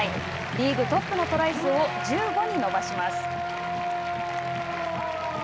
リーグトップのトライ数を１５に伸ばします。